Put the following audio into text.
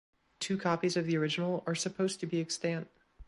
Two copies of the original are supposed to be extant.